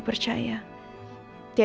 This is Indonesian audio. terima kasih bu